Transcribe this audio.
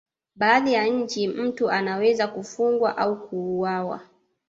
baadhi ya nchi mtu anaweza kufungwa au kuuawa